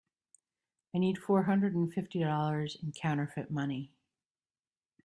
I need four hundred and fifty dollars in counterfeit money.